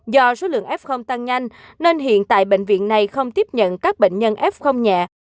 do số lượng f tăng nhanh nên hiện tại bệnh viện này không tiếp nhận các bệnh nhân f nhẹ